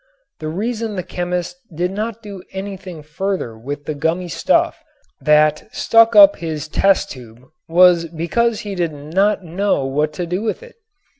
The reason the chemist did not do anything further with the gummy stuff that stuck up his test tube was because he did not know what to do with it.